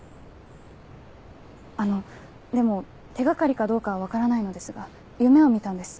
あのでも手掛かりかどうかは分からないのですが夢を見たんです。